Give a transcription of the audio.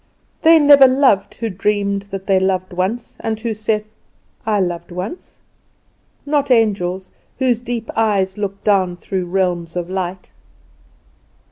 "'They never loved who dreamed that they loved once, And who saith, 'I loved once'? Not angels, whose deep eyes look down through realms of light!